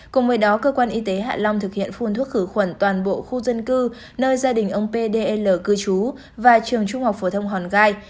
cùng với đó cơ quan y tế hạ long thực hiện phun thuốc khử khuẩn toàn bộ khu dân cư nơi gia đình ông pdl cư trú và trường trung học phổ thông hòn gai